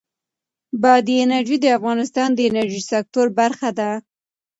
بادي انرژي د افغانستان د انرژۍ سکتور برخه ده.